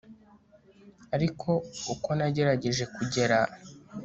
Ariko uko nagerageje kugera